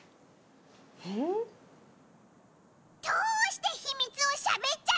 うん？どうしてひみつをしゃべっちゃったゴロ！